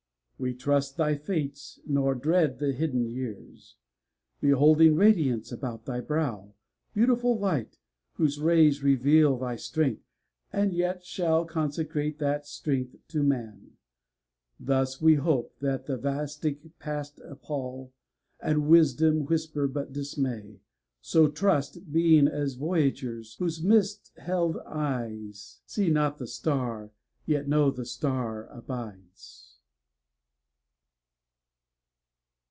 We trust thy Fates, nor dread the hidden years, Beholding radiance about thy brow — Beautiful light, whose rays reveal thy strength, And yet shall consecrate that strength to Man. Thus hope we, though the vatic past appal, And Wisdom whisper but dismay; so trust, Being as voyagers whose mist held eyne See not the Star, yet know the Star abides.